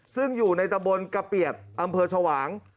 ซึ่งอยู่ในตะบนกระเปียกอำเภอชวาง